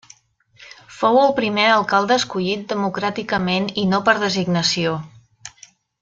Fou el primer alcalde escollit democràticament i no per designació.